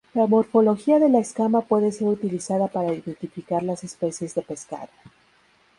La morfología de la escama puede ser utilizada para identificar las especies de pescado.